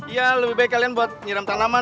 ya lebih baik kalian buat nyiram tanaman